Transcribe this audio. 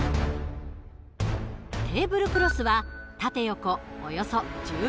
テーブルクロスは縦横およそ１０ｍ。